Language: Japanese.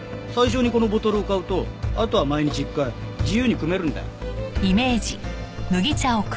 最初にこのボトルを買うとあとは毎日１回自由にくめるんだよ。